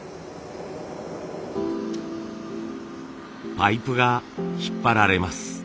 パイプが引っ張られます。